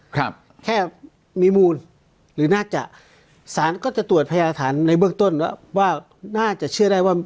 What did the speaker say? ครับแค่มีมูลหรือน่าจะสารก็จะตรวจพยาฐานในเบื้องต้นว่าว่าน่าจะเชื่อได้ว่า